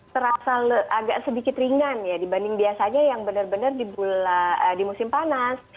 terasa agak sedikit ringan ya dibanding biasanya yang benar benar di musim panas